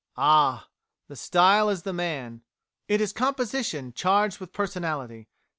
Ah! The style is the man. It is composition charged with personality.